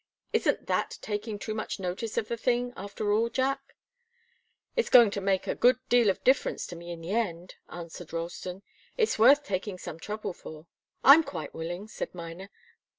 Isn't that taking too much notice of the thing, after all, Jack?" "It's going to make a good deal of difference to me in the end," answered Ralston. "It's worth taking some trouble for." "I'm quite willing," said Miner.